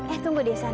eh tunggu deh san